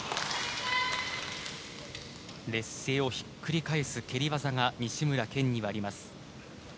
劣勢をひっくり返す蹴り技が西村にはあります。